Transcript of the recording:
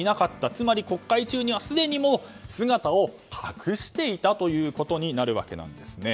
つまり国会中にはすでに姿を隠していたということになるわけなんですね。